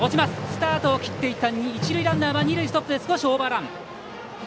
スタートを切っていた一塁ランナーは二塁ストップで少しオーバーラン。